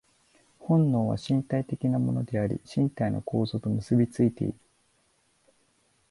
本能は身体的なものであり、身体の構造と結び付いている。